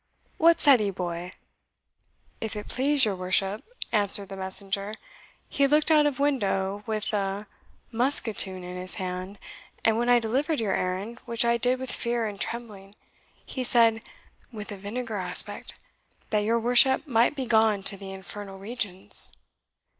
"What said he, boy?" "If it please your worship," answered the messenger, "he looked out of window, with a musquetoon in his hand, and when I delivered your errand, which I did with fear and trembling, he said, with a vinegar aspect, that your worship might be gone to the infernal regions."